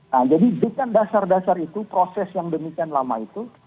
nah jadi dengan dasar dasar itu proses yang demikian lama itu